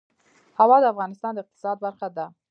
هوا د افغانستان د اقتصاد برخه ده.